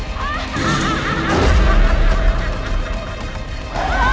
ไปก่อน